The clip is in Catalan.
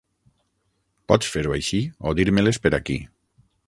Pots fer-ho així o dir-me-les per aquí.